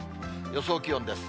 予想気温です。